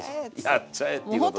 やっちゃえっていうことで。